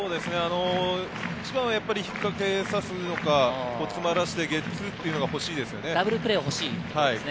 一番は引っかけさせるのか、詰まらせてゲッツーというのが欲しいですね。